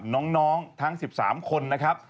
น้องทั้ง๑๓คนนะครับ